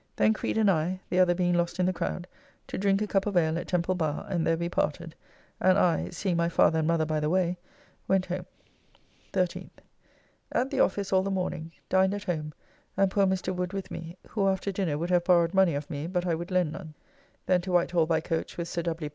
Then Creed and I (the other being lost in the crowd) to drink a cup of ale at Temple Bar, and there we parted, and I (seeing my father and mother by the way) went home. 13th. At the office all the morning; dined at home, and poor Mr. Wood with me, who after dinner would have borrowed money of me, but I would lend none. Then to Whitehall by coach with Sir W.